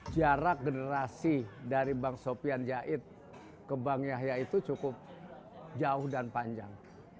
jarak generasi dari bang sofian jaid ke bang yahya itu cukup jauh dan panjang